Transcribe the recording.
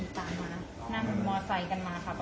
สวัสดีครับ